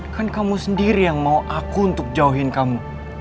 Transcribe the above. kan kamu sendiri yang mau aku untuk jauhin kamu